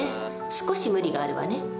少し無理があるわね。